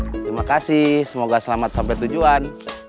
terima kasih semoga selamat sampai tujuan